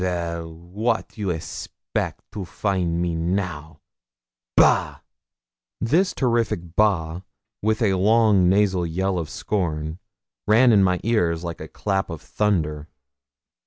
Well, what you expect to find me now? Bah!' This terrific 'Bah!' with a long nasal yell of scorn, rang in my ears like a clap of thunder.